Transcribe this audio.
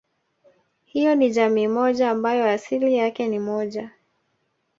Hiyo ni jamii moja ambayo asili yake ni moja